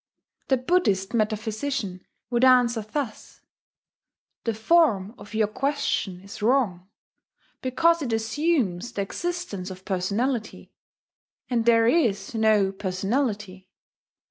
The Buddhist metaphysician would answer thus: "The form of your question is wrong, because it assumes the existence of personality, and there is no personality.